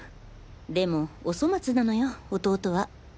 でもお粗末なのよ弟は。